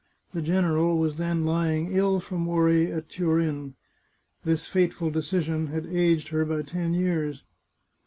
The general was then lying ill from worry at Turin. This fateful decision had aged her by ten years.